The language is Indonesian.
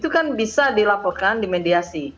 yang bisa dilakukan di mediasi